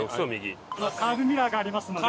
カーブミラーがありますので。